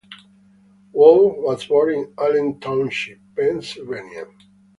Wolf was born in Allen Township, Pennsylvania.